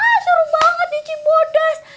ah seru banget dia cimbo das